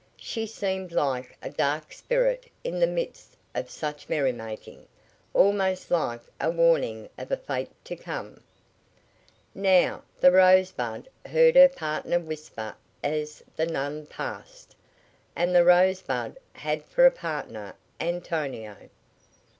She seemed like a dark spirit in the midst of such merrymaking, almost like a warning of a fate to come. "Now!" the Rosebud heard her partner whisper as the nun passed. And the Rosebud had for a partner Antonio.